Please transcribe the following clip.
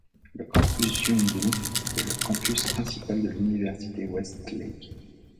Le Campus Yungu est le campus principal de l'université Westlake.